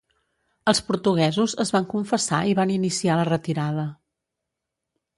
Els portuguesos es van confessar i van iniciar la retirada.